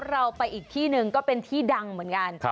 เราไปอีกที่หนึ่งก็เป็นที่ดังเหมือนกัน